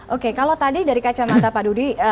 oke kalau tadi dari kacamata pak dudi